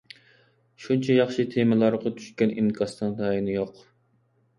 شۇنچە ياخشى تېمىلارغا چۈشكەن ئىنكاسنىڭ تايىنى يوق.